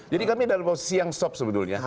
jadi kami dalam posisi yang soft sebetulnya